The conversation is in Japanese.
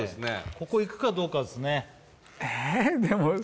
ここいくかどうかですねええ